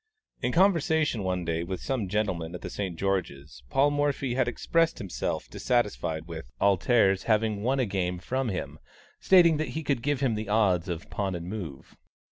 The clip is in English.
In conversation one day with some gentlemen at the St. George's, Paul Morphy had expressed himself dissatisfied with "Alter's" having won a game from him, stating that he could give him the odds of Pawn and Move.